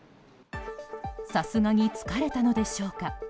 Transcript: さすがに疲れたのでしょうか。